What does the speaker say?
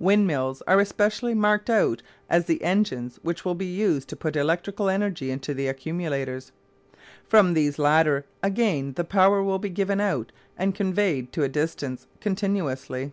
Windmills are especially marked out as the engines which will be used to put electrical energy into the accumulators. From these latter again the power will be given out and conveyed to a distance continuously.